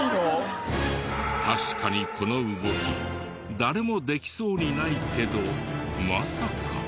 確かにこの動き誰もできそうにないけどまさか。